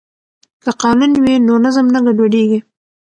که قانون وي نو نظم نه ګډوډیږي.